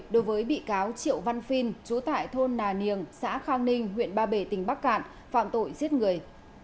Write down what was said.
đối với bị cáo triệu văn phiên chú tại thôn nà niềng xã khang ninh huyện ba bể tỉnh bắc cạn phạm tội giết người